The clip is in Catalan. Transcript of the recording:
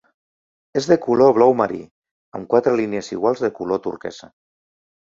És de color blau marí, amb quatre línies iguals de color turquesa.